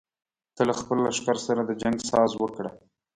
ته له خپل لښکر سره د جنګ ساز وکړه.